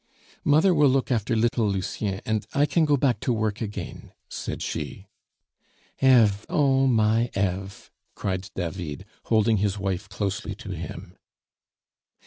"Mother will look after little Lucien, and I can go back to work again," said she. "Eve! oh, my Eve!" cried David, holding his wife closely to him.